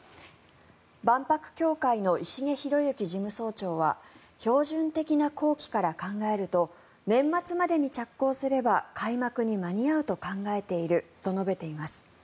万博協会の石毛博行事務総長は標準的な工期から考えると年末までに着工すれば開幕に間に合うと考えていると述べています。